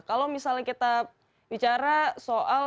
kalau misalnya kita bicara soal